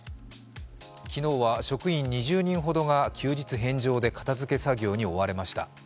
昨日は職員２０人ほどが休日返上で片づけ作業に追われました。